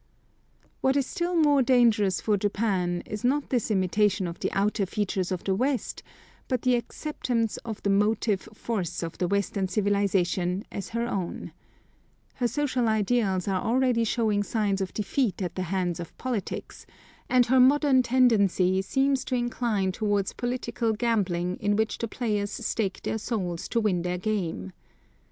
What is still more dangerous for Japan is, not this imitation of the outer features of the West, but the acceptance of the motive force of the Western civilisation as her own. Her social ideals are already showing signs of defeat at the hands of politics, and her modern tendency seems to incline towards political gambling in which the players stake their souls to win their game.